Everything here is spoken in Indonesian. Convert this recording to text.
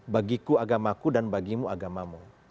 bagiku agamaku dan bagimu agamamu